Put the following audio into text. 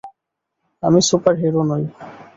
আমি সুপারহিরো নই।